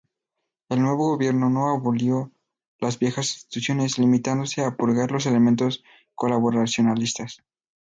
El nuevo gobierno no abolió las viejas instituciones, limitándose a purgar los elementos colaboracionistas.